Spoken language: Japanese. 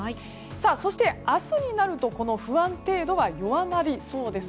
そして、明日になるとこの不安定度は弱まりそうです。